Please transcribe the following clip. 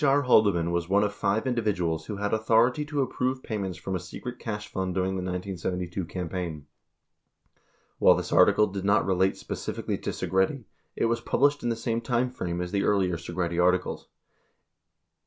R. Haldeman was one of five individuals who had authority to approve payments from a secret cash fund during the 1972 campaign. While this article did not relate specifically to Segretti, it was published in the same time frame as the earlier Segretti articles.